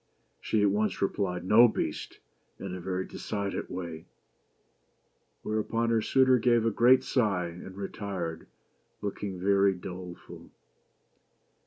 She at once re plied, "No, Beast!" in a very decided way; whereupon her suitor gave a great sigh, and retired, looking very doleful.